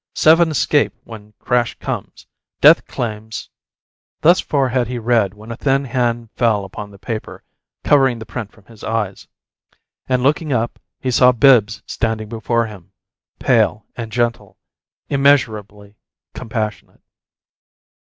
Seven Escape When Crash Comes. Death Claims Thus far had he read when a thin hand fell upon the paper, covering the print from his eyes; and, looking up, he saw Bibbs standing before him, pale and gentle, immeasurably compassionate.